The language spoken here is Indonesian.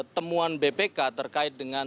temuan bpk terkait dengan